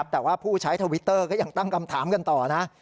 แต่ว่าผู้ใช้ทวิตเตอร์ก็ยังตั้งคำถามกันต่อนะ